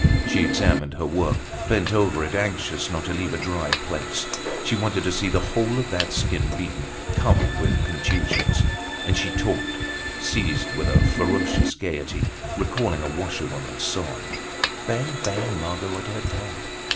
She examined her work, bent over it, anxious not to leave a dry place. She wanted to see the whole of that skin beaten, covered with contusions. And she talked, seized with a ferocious gaiety, recalling a washerwoman's song, "Bang! Bang! Margot at her tub.